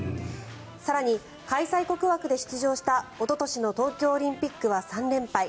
更に、開催国枠で出場したおととしの東京オリンピックは３連敗。